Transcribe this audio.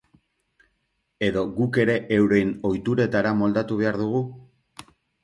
Edo, guk ere, euren ohituretara moldatu behar dugu?